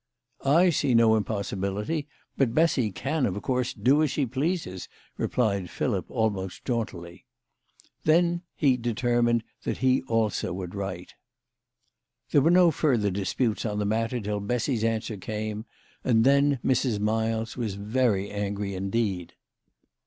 " I see no impossibility ; but Bessy can, of course, do as she pleases," replied Philip, almost jauntily. Then he determined that he also would write. There were no further disputes on the matter till Bessy's answer came, and then Mrs. Miles was very angry indeed.